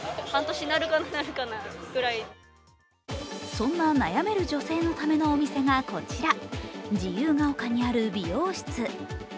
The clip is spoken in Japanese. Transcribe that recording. そんな悩める女性のためのお店がこちら、自由が丘にある美容室。